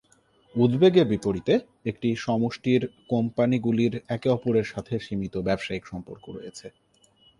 উদ্বেগের বিপরীতে, একটি সমষ্টির কোম্পানিগুলির একে অপরের সাথে সীমিত ব্যবসায়িক সম্পর্ক রয়েছে।